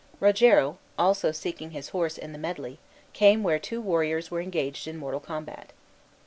Rogero, also seeking his horse in the medley, came where two warriors were engaged in mortal combat.